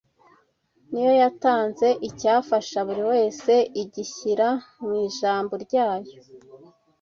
ni yo yatanze icyafasha buri wese igishyira mu Ijambo ryayo